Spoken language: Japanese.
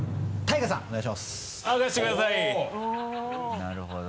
なるほど。